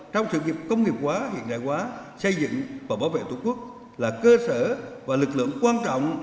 trong sự nghiệp công nghiệp hóa hiện đại hóa xây dựng và bảo vệ tổ quốc là cơ sở và lực lượng quan trọng